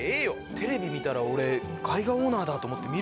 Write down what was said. テレビ見たら俺「絵画オーナーだ」と思って見るもん。